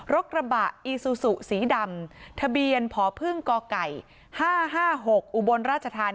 รถกระบะอีซูซูสีดำทะเบียนพพ๕๕๖อุบลราชธานี